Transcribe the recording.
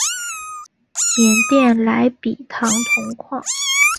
缅甸莱比塘铜矿。